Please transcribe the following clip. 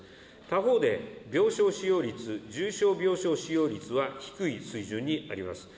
他方で、病床使用率、重症病床使用率は低い水準にあります。